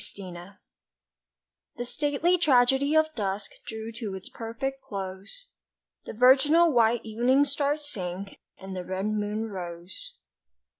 TWILIGHT THE stately tragedy of dusk Drew to its perfect close, The virginal white evening star Sank, and the red moon rose.